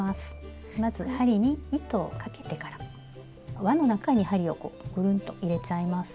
まず針に糸をかけてからわの中に針をくるんと入れちゃいます。